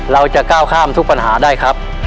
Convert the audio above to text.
เราจะก้าวข้ามทุกปัญหาได้ครับ